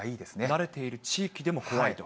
慣れている地域でも怖いと。